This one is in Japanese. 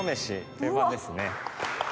定番ですね。